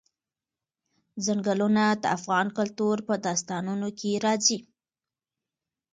ځنګلونه د افغان کلتور په داستانونو کې راځي.